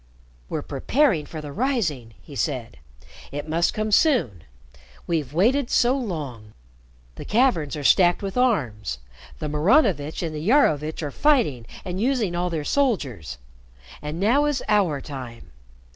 "We're preparing for the rising," he said. "It must come soon. We've waited so long. The caverns are stacked with arms. The Maranovitch and the Iarovitch are fighting and using all their soldiers, and now is our time."